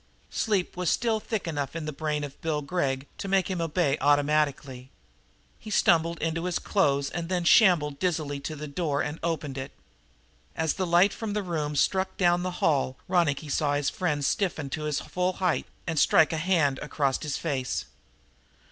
Sleep was still thick enough in the brain of Bill Gregg to make him obey automatically. He stumbled into his clothes and then shambled dizzily to the door and opened it. As the light from the room struck down the hall Ronicky saw his friend stiffen to his full height and strike a hand across his face.